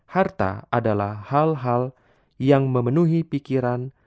harta adalah hal hal yang memenuhi pikiran